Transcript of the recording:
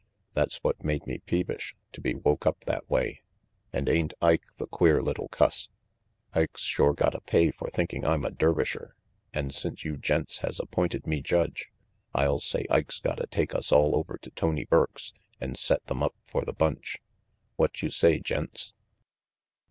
That's what made me peevish, to be woke up that way. And ain't Ike the queer little cuss? Ike's shore gotta pay for thinking I'm a Dervisher, and since you gents has appointed me judge, I'll say Ike's gotta take us all over to Tony Burke's and set them up for the bunch. What you say, gents?"